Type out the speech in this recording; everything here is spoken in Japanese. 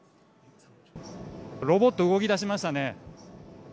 ロボット、動きだしましたね。